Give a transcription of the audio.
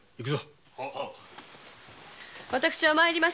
私は参りません！